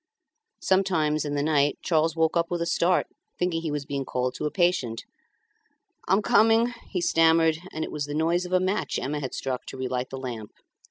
Sometimes in the night Charles woke up with a start, thinking he was being called to a patient. "I'm coming," he stammered; and it was the noise of a match Emma had struck to relight the lamp.